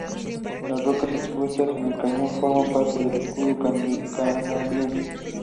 Las rocas expuestas en el Cañón forman parte del Escudo Canadiense.